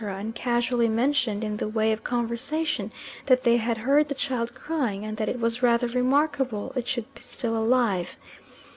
and casually mentioned in the way of conversation that they had heard the child crying, and that it was rather remarkable it should be still alive.